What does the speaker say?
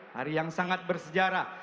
hari yang sangat bersejarah